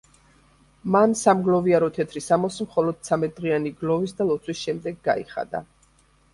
მან სამგლოვიარო თეთრი სამოსი, მხოლოდ ცამეტი დღიანი გლოვის და ლოცვის შემდეგ გაიხადა.